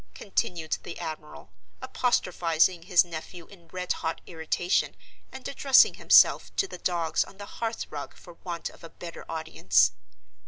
continued the admiral, apostrophizing his nephew in red hot irritation, and addressing himself to the dogs on the hearth rug for want of a better audience.